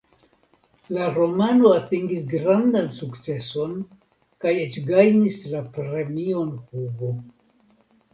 La romano atingis grandan sukceson kaj eĉ gajnis la Premion Hugo.